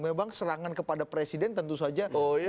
memang serangan kepada presiden tentu saja